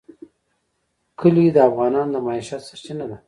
کلي د افغانانو د معیشت سرچینه ده.